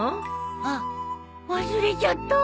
あっ忘れちゃった！